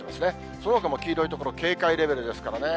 そのほかも黄色い所、警戒レベルですからね。